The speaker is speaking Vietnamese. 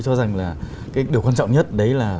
cho rằng là cái điều quan trọng nhất đấy là